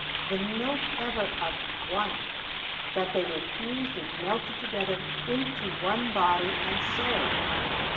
The note ever of One that they were fused and melted together into one body and soul.